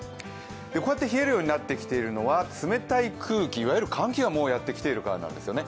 こうやって冷えるようになってきているのは冷たい空気、いわゆる寒気がもうやってきているからなんですね。